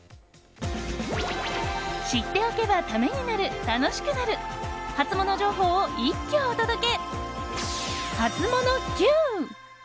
知っておけばためになる、楽しくなるハツモノ情報を一挙お届け。